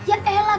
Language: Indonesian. ya elah kak